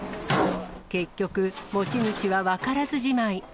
結局、持ち主は分からずじまい。